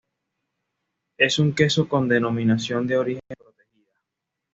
Es un queso con denominación de origen protegida.